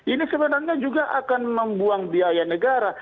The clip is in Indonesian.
ini sebenarnya juga akan membuang biaya negara